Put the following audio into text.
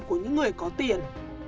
của những người có tiền